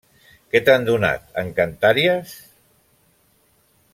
¿Què t'han donat encantàries?